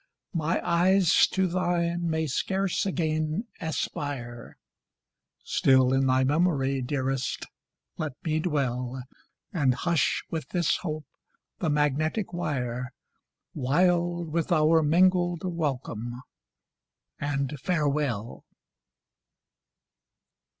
My eyes to thine may scarce again aspire Still in thy memory, dearest let me dwell, And hush, with this hope, the magnetic wire, Wild with our mingled welcome and farewell!